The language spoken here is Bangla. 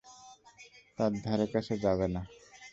তার ধারে কাছে যাবে না।